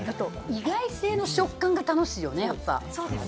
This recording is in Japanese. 意外性の食感が楽しいよね。